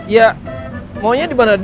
ya maunya di mana